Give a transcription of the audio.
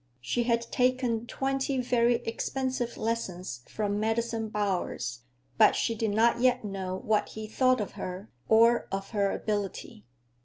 She had taken twenty very expensive lessons from Madison Bowers, but she did not yet know what he thought of her or of her ability.